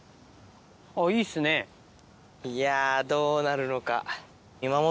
いいっすねいやどうなるのか。